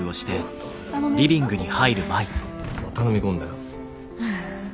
頼み込んだら。